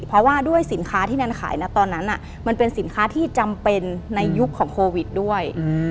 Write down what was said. เพราะว่าด้วยสินค้าที่แนนขายนะตอนนั้นมันเป็นสินค้าที่จำเป็นในยุคของโควิดด้วย